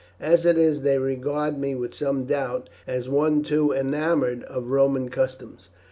As it is, they regard me with some doubt, as one too enamoured of Roman customs."